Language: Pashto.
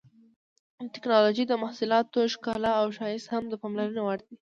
د ټېکنالوجۍ د محصولاتو ښکلا او ښایست هم د پاملرنې وړ دي.